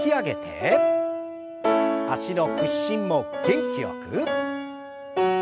脚の屈伸も元気よく。